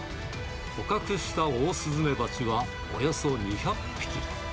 捕獲したオオスズメバチはおよそ２００匹。